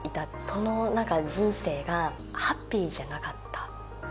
その中の人生がハッピーじゃなかった。